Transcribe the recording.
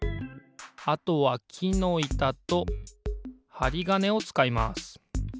あとはきのいたとはりがねをつかいます。